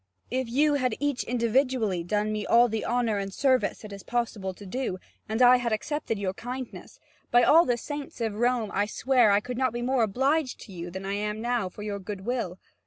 If you had each individually done me all the honour and service it is possible to do, and I had accepted your kindness, by all the saints of Rome I swear that I could not be more obliged to you than I am now for your good will.